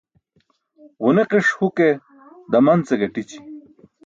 Ġuniqiṣ huke daman ce gaṭići.